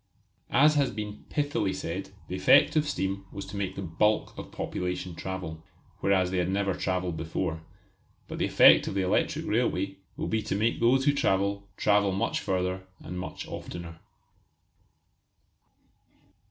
As has been pithily said, the effect of steam was to make the bulk of population travel, whereas they had never travelled before, but the effect of the electric railway will be to make those who travel travel much further and much oftener.